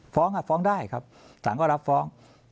ฟ้องฟ้องได้ครับสารก็รับฟ้อง